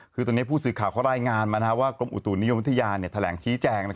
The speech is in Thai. คือตอนนี้ผู้สื่อข่าวเขารายงานมาว่ากรมอุตุนิยมวิทยาแถลงชี้แจง